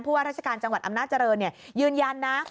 เพราะว่าราชการจังหวัดอำนาจริงยืนยันนะ